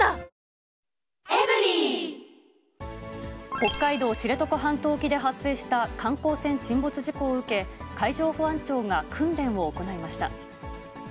北海道知床半島沖で発生した観光船沈没事故を受け、海上保安庁が訓練を行いました。